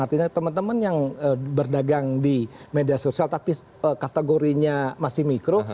artinya teman teman yang berdagang di media sosial tapi kategorinya masih mikro